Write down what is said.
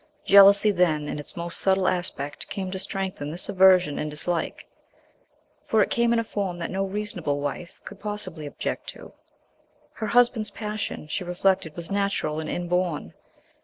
Jealousy, then, in its most subtle aspect came to strengthen this aversion and dislike, for it came in a form that no reasonable wife could possibly object to. Her husband's passion, she reflected, was natural and inborn.